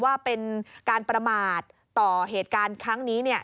ว่าเป็นการประมาทต่อเหตุการณ์ครั้งนี้